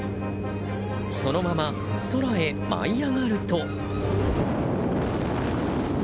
そのまま空へ舞い上がると。